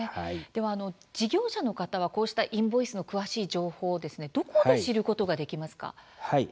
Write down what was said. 事業者の方はこうしたインボイスの情報をどこで知ることができますか。